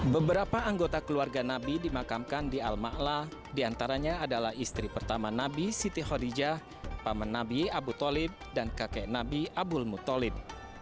beberapa anggota keluarga nabi dimakamkan di al ma'la diantaranya adalah istri pertama nabi siti khadijah paman nabi abu talib dan kakek nabi abu'l mutalib